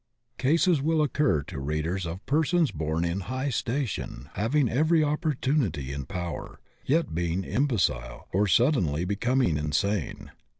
Cases will occur to readers of persons bom in high station having every opportimity and power, yet being imbecile or suddenly becoming insane.